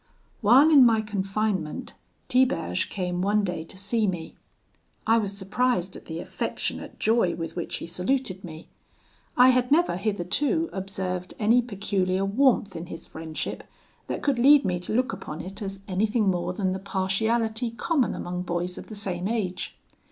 "While in my confinement Tiberge came one day to see me. I was surprised at the affectionate joy with which he saluted me. I had never, hitherto, observed any peculiar warmth in his friendship that could lead me to look upon it as anything more than the partiality common among boys of the same age.